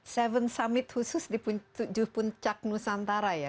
tujuh summit khusus di tujuh puncak nusantara ya